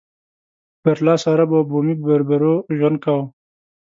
برلاسو عربو او بومي بربرو ژوند کاوه.